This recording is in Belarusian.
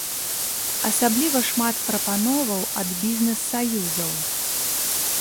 Асабліва шмат прапановаў ад бізнэс-саюзаў.